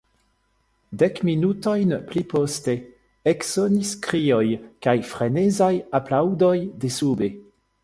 Dek minutojn pli poste eksonis krioj kaj frenezaj aplaŭdoj de sube.